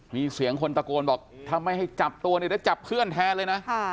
มีเสียงคนตะโกนบอกถ้าไม่ให้จับตัวเนี่ยเดี๋ยวจับเพื่อนแทนเลยนะ